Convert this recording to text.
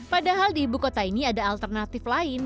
padahal di ibu kota ini ada alternatif lain